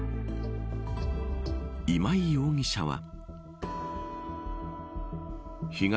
今井容疑者は。